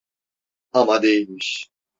Ama değilmiş.